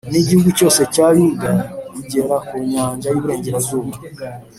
n’igihugu cyose cya yuda kugera ku nyanja y’iburengerazuba